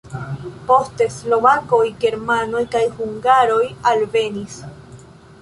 Poste slovakoj, germanoj kaj hungaroj alvenis.